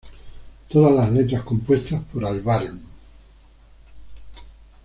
Todas las letras compuestas por Albarn.